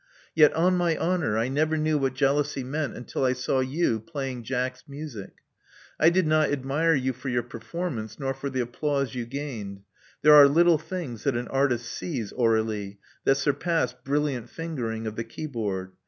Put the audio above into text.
Yet on my honor I never knew what jealousy meant until I saw you, playing Jack's music. I did not admire you for your performance, nor for the applause you gained. There are little things that an artist sees, Aur^lie, that sur pass brilliant fingering of the keyboard.